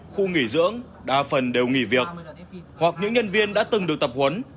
khu nghỉ dưỡng đa phần đều nghỉ việc hoặc những nhân viên đã từng được tập huấn